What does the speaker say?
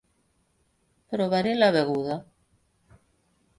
Provaré la beguda.